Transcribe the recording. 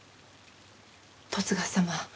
十津川様